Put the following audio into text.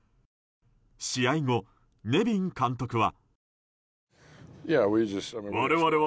試合後、ネビン監督は。